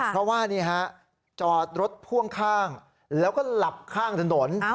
เพราะว่านี่ฮะจอดรถพ่วงข้างแล้วก็หลับข้างถนน